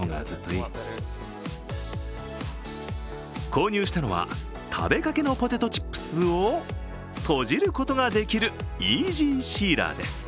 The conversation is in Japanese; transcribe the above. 購入したのは食べかけのポテトチップスをとじることができるイージーシーラーです。